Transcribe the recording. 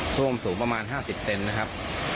ท่วมสูงประมาณ๕๐เซนนะครับ